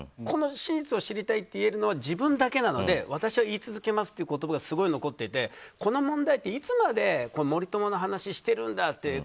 この真実を知りたいと言えるのは自分だけなので私は言い続けますという言葉がすごい残っていてこの問題っていつまで森友の話しているんだって